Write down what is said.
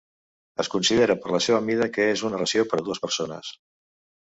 Es considera per la seva mida que és una ració per a dues persones.